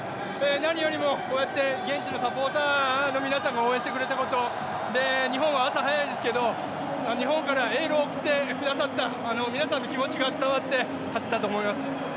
何よりもこうやって現地のサポーターの皆さんが応援してくれたこと、日本は朝早いですけど日本からエールを送ってくださった皆さんの気持ちが伝わって勝てたと思います。